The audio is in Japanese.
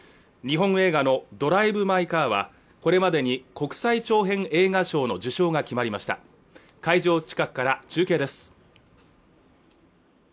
日本映画の「ドライブ・マイ・カー」はこれまでに国際長編映画賞の受賞が決まりました会場近くから中継です